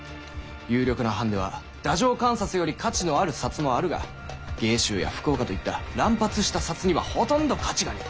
有力な藩では太政官札より価値のある札もあるが芸州や福岡といった乱発した札にはほとんど価値がねぇ。